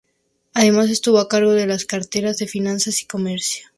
Además estuvo a cargo de las carteras de Finanzas y Comercio.